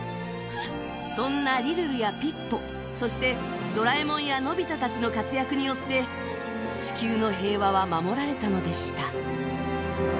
そんなリルルやピッポそしてドラえもんやのび太たちの活躍によって地球の平和は守られたのでした。